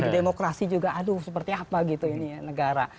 demokrasi juga aduh seperti apa gitu ini ya negara